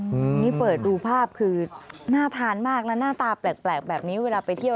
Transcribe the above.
นี่เปิดดูภาพคือน่าทานมากแล้วหน้าตาแปลกแบบนี้เวลาไปเที่ยว